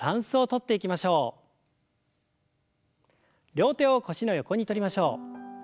両手を腰の横にとりましょう。